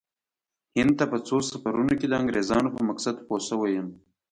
هند ته په څو سفرونو کې د انګریزانو په مقصد پوه شوی یم.